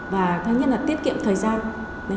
và thứ nhất là tiết kiệm thời gian